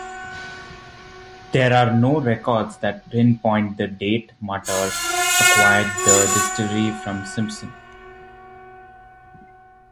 There are no records that pinpoint the date Mutter acquired the distillery from Simpson.